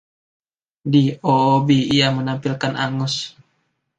Di "Oobi", ia menampilkan Angus.